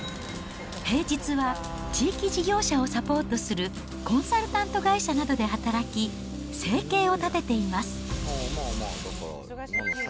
平日は地域事業者をサポートするコンサルタント会社などで働き、生計を立てています。